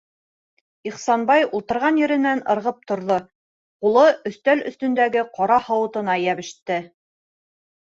- Ихсанбай ултырған еренән ырғып торҙо, ҡулы өҫтәл өҫтөндәге ҡара һауытына йәбеште.